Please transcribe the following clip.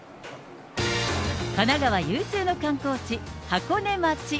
神奈川有数の観光地、箱根町。